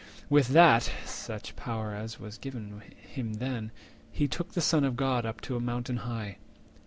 250 With that (such power was given him then), he took The Son of God up to a mountain high.